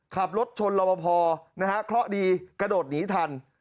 ขับรถชนรอบพอนะฮะเคราะห์ดีกระโดดหนีทัน